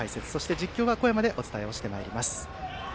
実況は小山でお伝えしてまいります。